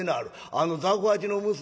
あの雑穀八の娘